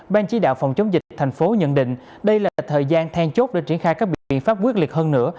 ban chỉ đạo phòng chống dịch thành phố nhận định đây là thời gian then chốt để triển khai các biện pháp quyết liệt hơn nữa